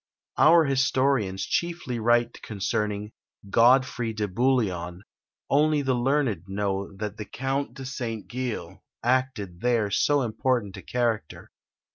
Our historians chiefly write concerning Godfrey de Bouillon; only the learned know that the Count de St. Gilles acted there so important a character.